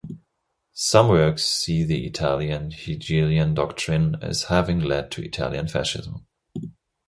Some works see the Italian Hegelian doctrine as having led to Italian Fascism.